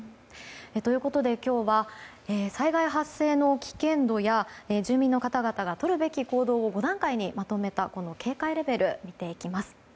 ということで今日は災害発生の危険度や住民の方々が取るべき行動を５段階にまとめた警戒レベルを見ていきます。